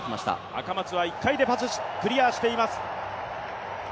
赤松は１回でクリアしてきています。